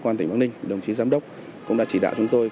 quan tỉnh bắc ninh đồng chí giám đốc cũng đã chỉ đạo chúng tôi